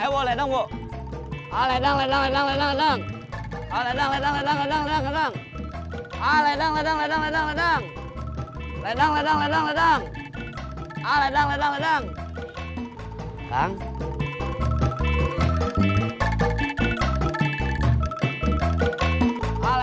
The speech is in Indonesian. jangan lupa mencoba